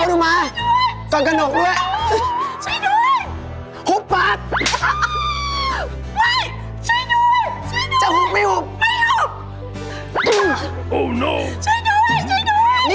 คุณมาขาวฉันไว้ที่นี่ทำไม